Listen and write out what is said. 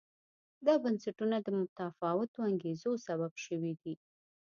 دا بنسټونه د متفاوتو انګېزو سبب شوي دي.